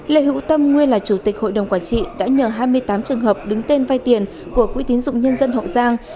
lệ hữu tâm nguyên là chủ tịch hội đồng quản trị đã nhờ hai mươi tám trường hợp đứng tên vai tiền của quý tiện dụng nhân dân hậu giang